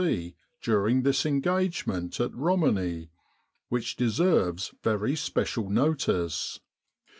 C. during this engagement at Romani, which deserves very special notice.